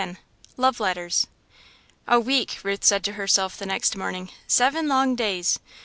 Love Letters "A week!" Ruth said to herself the next morning. "Seven long days!